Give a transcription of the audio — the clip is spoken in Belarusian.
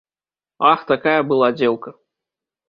Ах, такая была дзеўка!